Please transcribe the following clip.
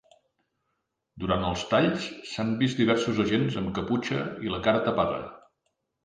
Durant els talls, s’han vist diversos agents amb caputxa i la cara tapada.